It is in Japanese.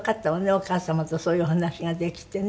お母様とそういうお話ができてね。